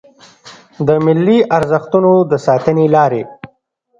د ملي ارزښتونو د ساتنې لارې